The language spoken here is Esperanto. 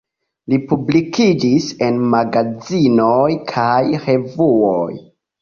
Li publikigis en magazinoj kaj revuoj.